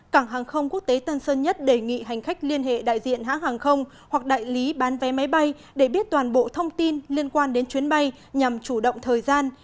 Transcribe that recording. cảng hàng không quốc tế tân sơn nhất đề nghị hành khách liên hệ đại diện hãng hàng không hoặc đại lý bán vé máy bay để biết toàn bộ thông tin liên quan đến chuyến bay nhằm chủ động thời gian